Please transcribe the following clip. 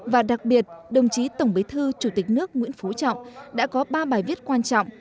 và đặc biệt đồng chí tổng bí thư chủ tịch nước nguyễn phú trọng đã có ba bài viết quan trọng